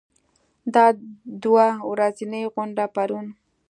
دا دوه ورځنۍ غونډه پرون